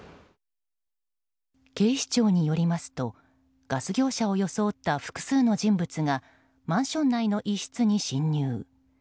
警視庁によりますとガス業者を装った複数の人物がマンション内の一室に侵入。